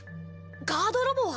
ガードロボは？